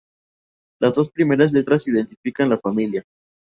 Las dos primeras letras identifican la familia.